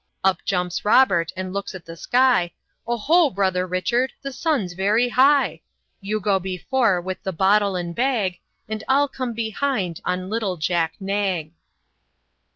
Up jumps Robert, and looks at the sky; "Oho, brother Richard, the sun's very high! You go before, with the bottle and bag, And I'll come behind, on little Jack nag."